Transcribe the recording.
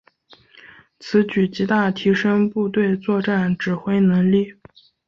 此举极大提升部队作战指挥能力。